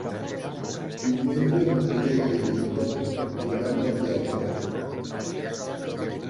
Diumenge na Mireia i en Tom iran al teatre.